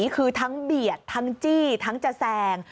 คือทั้งเบียดทั้งจี้ทั้งจะแซง